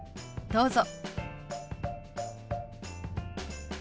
どうぞ。